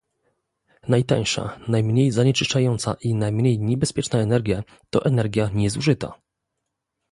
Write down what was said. Najtańsza, najmniej zanieczyszczająca i najmniej niebezpieczna energia to energia niezużyta